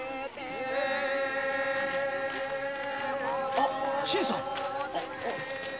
あ新さん。